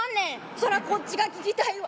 「そらこっちが聞きたいわ。